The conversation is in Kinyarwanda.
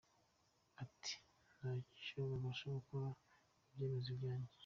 Ati “ Nta cyo babasha gukora ku byemezo byanjye.